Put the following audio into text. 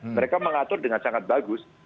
mereka mengatur dengan sangat bagus